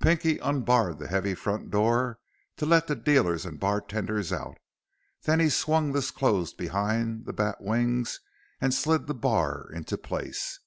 Pinky unbarred the heavy front door to let the dealers and bartenders out, then he swung this closed behind the batwings and slid the bar into place.